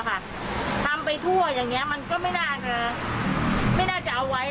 ทำไปทั่วอย่างนี้มันก็ไม่น่าจะเอาไว้แล้ว